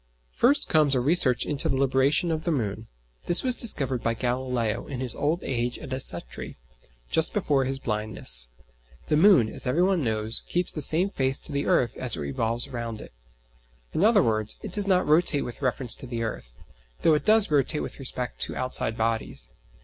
First comes a research into the libration of the moon. This was discovered by Galileo in his old age at Arcetri, just before his blindness. The moon, as every one knows, keeps the same face to the earth as it revolves round it. In other words, it does not rotate with reference to the earth, though it does rotate with respect to outside bodies.